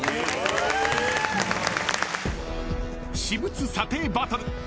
［私物査定バトル］